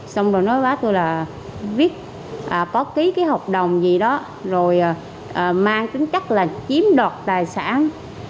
xong rồi nó báo tôi là viết có ký cái hợp đồng gì đó rồi mang tính chắc là chiếm đoạt tài sản